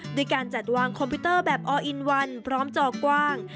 ด้วยการจัดวางคอมพิวเตอร์แบบอออินวันพร้อมจอกว้าง